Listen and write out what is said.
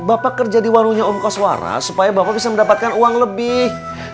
bapak kerja di warungnya ongkos wara supaya bapak bisa mendapatkan uang lebih